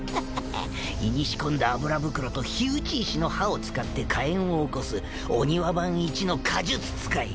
胃に仕込んだ油袋と火打ち石の歯を使って火炎をおこす御庭番一の火術使い。